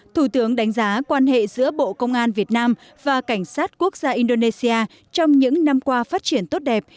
thủ tướng đánh giá quan hệ giữa bộ công an việt nam và cảnh sát quốc gia indonesia trong những năm qua phát triển tốt đẹp